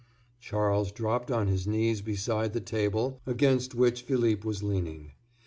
Charles dropped on his knees beside the table against which Philippe was leaning.